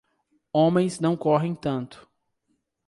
Homens não correm tanto.